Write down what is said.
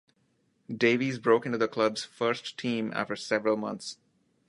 Davies broke into the club's first team after several months.